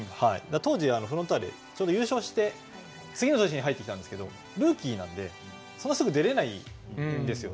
当時、フロンターレちょうど優勝した次の年に入ってきたんですがルーキーなのでそんなすぐに出れないんですよ。